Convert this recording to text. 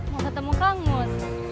mau ketemu kang mus